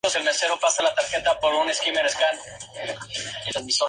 El símbolo cuenta con una flor de ciruelo.